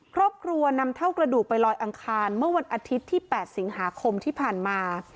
ครอบครัวนำเท่ากระดูกไปลอยอังคารเมื่อวันอาทิตย์ที่๘สิงหาคมที่ผ่านมา